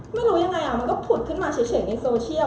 ไม่รู้ยังไงมันก็ผุดขึ้นมาเฉยในโซเชียล